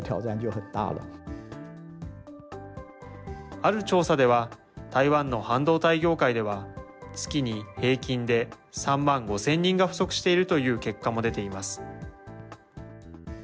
ある調査では、台湾の半導体業界では、月に平均で３万５０００人が不足しているという結果も出ています。